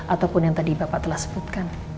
ataupun yang tadi bapak telah sebutkan